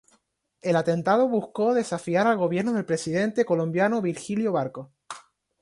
El atentado buscó desafiar al gobierno del presidente colombiano Virgilio Barco.